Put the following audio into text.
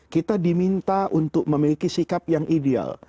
kita diminta untuk memiliki sikap yang ideal